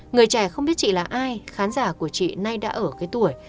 người trẻ không biết chị là ai khán giả của chị nay đã ở cái tuổi